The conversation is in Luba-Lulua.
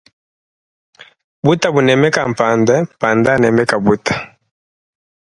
Buta bunemeka panda panda unemeka buta.